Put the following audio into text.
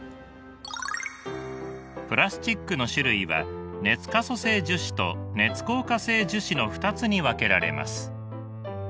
プラスチックの種類は熱可塑性樹脂と熱硬化性樹脂の２つに分けられます。